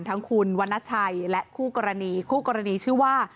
ทั้งคุณวรรณชัยและคู่กรณีคู่กรณีชื่อว่า